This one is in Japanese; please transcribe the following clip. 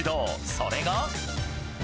それが。